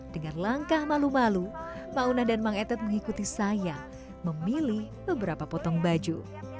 dengan langkah malu malu mauna dan mang etet mengikuti saya memilih beberapa potong baju